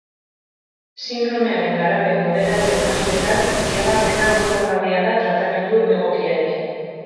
Sindromearen garapen moderatuen kasuetan, iragarpena onuragarria da tratamendu egokiarekin.